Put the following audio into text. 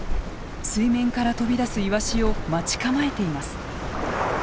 水面から飛び出すイワシを待ち構えています。